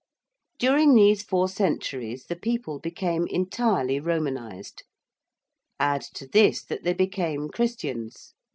During these four centuries the people became entirely Romanised. Add to this that they became Christians.